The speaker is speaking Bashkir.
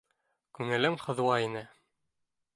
Күңелем һыҙлай ине.